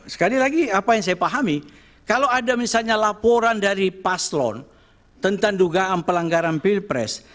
sekali lagi apa yang saya pahami kalau ada misalnya laporan dari paslon tentang dugaan pelanggaran pilpres